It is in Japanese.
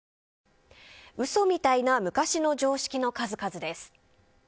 嘘みたいな昔の常識の数々です。